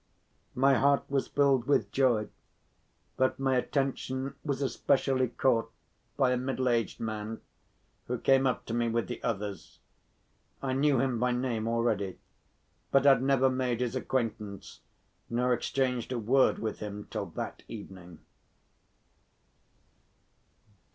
My heart was filled with joy, but my attention was especially caught by a middle‐aged man who came up to me with the others. I knew him by name already, but had never made his acquaintance nor exchanged a word with him till that evening.